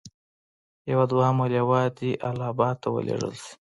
یوه دوهمه لواء دې اله اباد ته ولېږل شي.